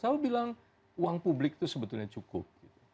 selalu bilang uang publik itu sebetulnya cukup